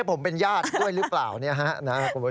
ผมเป็นญาติด้วยหรือเปล่าคุณผู้ชมส่งเข้ามา